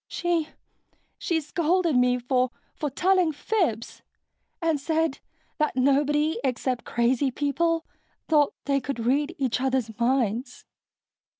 She ... she scolded me for ... for telling fibs ... and said that nobody except crazy people thought they could read each other's minds."